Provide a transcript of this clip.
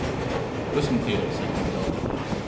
"Listen here," said he doggedly.